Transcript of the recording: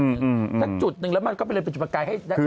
สักจุดหนึ่งแล้วมันก็ไปจุดประกาย